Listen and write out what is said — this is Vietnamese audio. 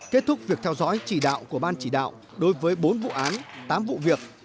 kết thúc việc theo dõi chỉ đạo của ban chỉ đạo đối với bốn vụ án tám vụ việc